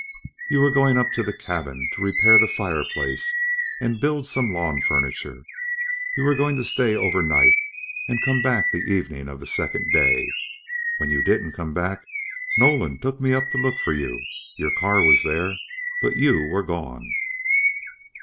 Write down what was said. "You were going up to the cabin to repair the fireplace and build some lawn furniture. You were going to stay over night and come back the evening of the second day. When you didn't come back, Nolan took me up to look for you. Your car was there, but you were gone."